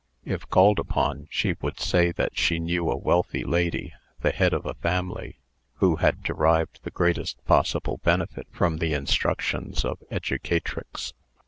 If called upon, she would say that she knew a wealthy lady, the head of a family, who had derived the greatest possible benefit from the instructions of "Educatrix."